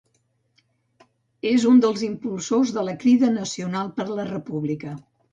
És un dels impulsors de la Crida Nacional per la República.